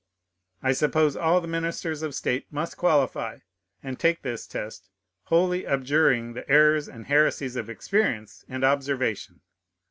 I suppose all the ministers of state must qualify, and take this test, wholly abjuring the errors and heresies of experience and observation.